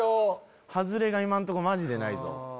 外れが今んとこマジでないぞ。